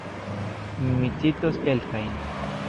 Mi citos kelkajn.